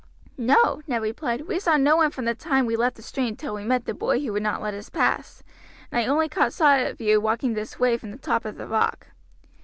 "No," Ned replied; "we saw no one from the time we left the stream till we met the boy who would not let us pass, and I only caught sight of you walking this way from the top of the rock."